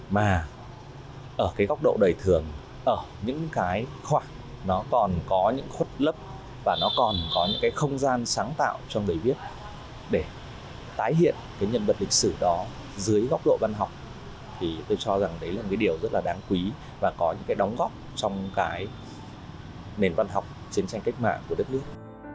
mà ở cái góc độ đầy thường ở những cái khoảng nó còn có những khuất lấp và nó còn có những cái không gian sáng tạo trong giấy viết để tái hiện cái nhân vật lịch sử đó dưới góc độ văn học thì tôi cho rằng đấy là một cái điều rất là đáng quý và có những cái đóng góp trong cái nền văn học chiến tranh cách mạng của đất nước